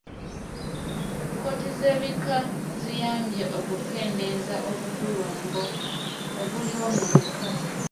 Kkooti z'ebika ziyambye okukendeeza obugulumbo obuliwo mu bika.